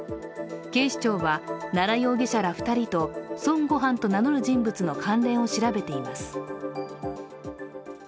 警視庁は奈良容疑者ら２人と孫悟飯と名乗る人物の関連を調べています。